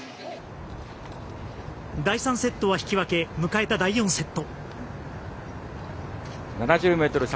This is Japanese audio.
第３セットは引き分け迎えた第４セット。